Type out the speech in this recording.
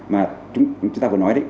mà chúng ta vừa nói đấy